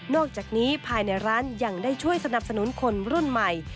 อกจากนี้ภายในร้านยังได้ช่วยสนับสนุนคนรุ่นใหม่